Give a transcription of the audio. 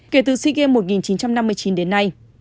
kể từ sea games một nghìn chín trăm năm mươi chín đến nay